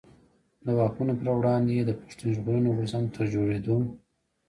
د واکمنو پر وړاندي يې د پښتون ژغورني غورځنګ تر جوړېدو.